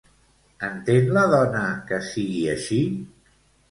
Entén la dona que sigui així?